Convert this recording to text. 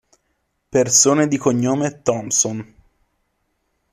Persone di cognome Thompson